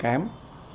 thì không ai